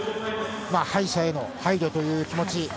敗者への配慮という気持ち。